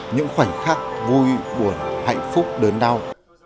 những khoảnh khắc vui buồn hạnh phúc đớn đau